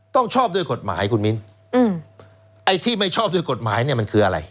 ชอบด้วยกฎหมายคุณมิ้นอืมไอ้ที่ไม่ชอบด้วยกฎหมายเนี่ยมันคืออะไร